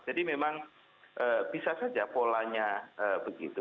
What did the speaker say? jadi memang bisa saja polanya begitu